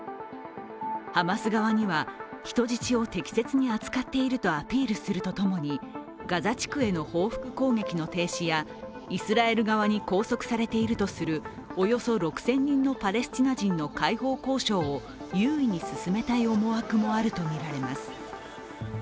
ハマス側には人質を適切に扱っているとアピールするとともにガザ地区への報復攻撃の停止やイスラエルに拘束されているとするおよそ６０００人のパレスチナ人の解放交渉を優位に進めたい思惑もあるとみられます。